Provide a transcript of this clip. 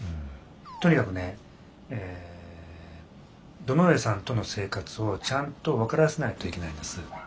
うんとにかくねえ堂上さんとの生活をちゃんと分からせないといけないんです。